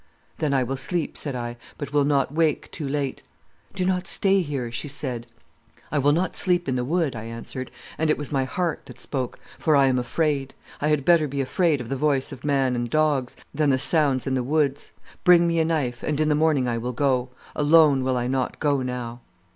"'Then I will sleep,' said I, 'but will not wake too late.' "'Do not stay here,' she said. "'I will not sleep in the wood,' I answered, and it was my heart that spoke, 'for I am afraid. I had better be afraid of the voice of man and dogs, than the sounds in the woods. Bring me a knife, and in the morning I will go. Alone will I not go now.